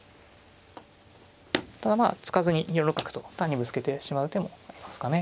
ただまあ突かずに４六角と単にぶつけてしまう手もありますかね。